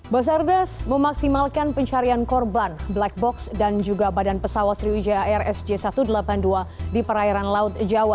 basarnas memaksimalkan pencarian korban black box dan juga badan pesawat sriwijaya air sj satu ratus delapan puluh dua di perairan laut jawa